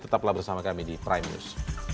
tetaplah bersama kami di prime news